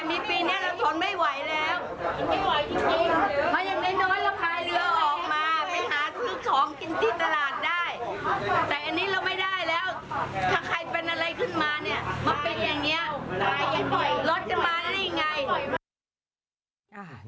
มันเป็นอย่างนี้รถจะมาแล้วยังไง